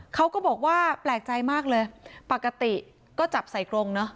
เขาก็บอกว่าแปลกใจมากเลยปกติก็จับใส่กรงเนอะ